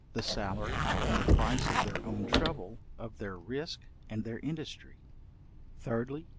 The salary, and the price of their own trouble, of their risk, and their industry; 3rdly.